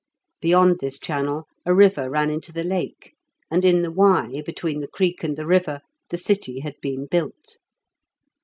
Beyond this channel a river ran into the lake, and in the Y, between the creek and the river, the city had been built.